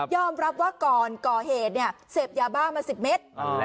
รับว่าก่อนก่อเหตุเสพยาบ้ามา๑๐เมตร